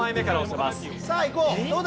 さあいこう！